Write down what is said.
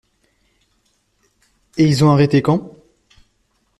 Et ils ont arrêté quand?